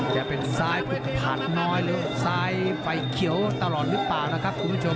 จะเป็นซ้ายผูกพันน้อยหรือซ้ายไฟเขียวตลอดหรือเปล่านะครับคุณผู้ชม